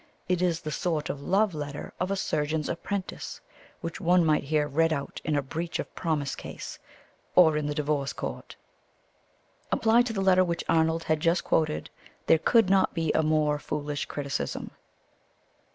It is the sort of love letter of a surgeon's apprentice, which one might hear read out in a breach of promise case, or in the Divorce Court. Applied to the letter which Arnold had just quoted there could not be a more foolish criticism.